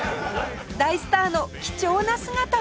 大スターの貴重な姿も